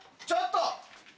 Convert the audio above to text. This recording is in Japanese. ちょっと！